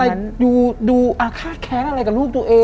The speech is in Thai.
มันจะต้องมีอะไรดูอาฆาตแค้นอะไรกับลูกตัวเอง